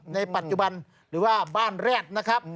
ในปัจจุบันหรือว่าบ้านแร็ดนะครับ